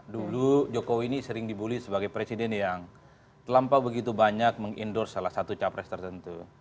dulu jokowi ini sering dibully sebagai presiden yang terlampau begitu banyak meng endorse salah satu capres tertentu